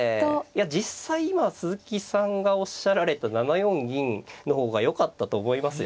いや実際今鈴木さんがおっしゃられた７四銀の方がよかったと思いますよ。